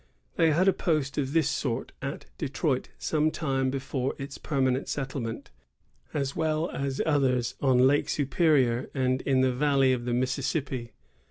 They had a post of this sort at Detroit some time before its permanent settle ment, as well as others on Lake Superior and in the valley of the Mississippi.